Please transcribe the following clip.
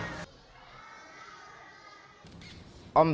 bagaimana cara untuk memperbaiki keuntungan